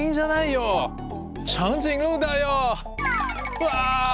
うわ！